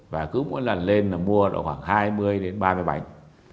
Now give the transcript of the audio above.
và cứ mỗi lần lên mua khoảng hai mươi ba mươi bánh